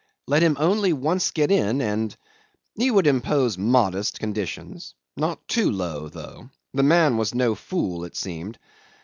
Let him only once get in and ... He would impose modest conditions. Not too low, though. The man was no fool, it seemed.